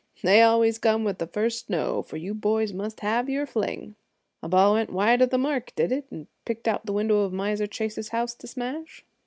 "They always come with the first snow, for you boys must have your fling. A ball went wide of the mark, did it, and picked out the window of Miser Chase's house to smash?"